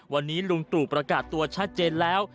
วันนี้ลุงตู่ประกาศตัวชัดเจนแล้ว